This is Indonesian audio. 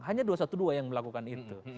hanya dua ratus dua belas yang melakukan itu